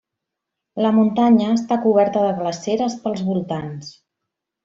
La muntanya està coberta de glaceres pels voltants.